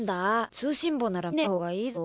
通信簿なら見ねえほうがいいぞ。